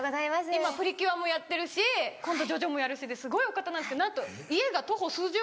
今『プリキュア』もやってるし今度『ジョジョ』もやるしですごいお方なんですけどなんと家が徒歩数十秒の所に。